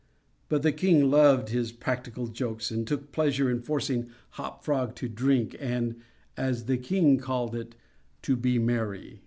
But the king loved his practical jokes, and took pleasure in forcing Hop Frog to drink and (as the king called it) "to be merry."